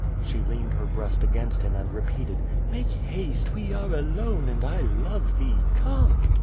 '' She loaned her breast against him and repeated: "Make haste! We are alone, and I love thee. Come!'